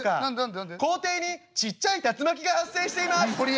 校庭にちっちゃい竜巻が発生しています」。